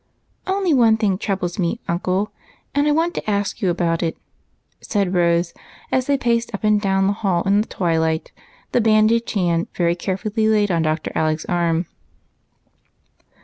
Only one thing troubles me, uncle, and I want to ask you about it," said Rose, as they paced up and down the hall in the twilight, the bandaged hand very carefully laid on Dr. Alec's arm.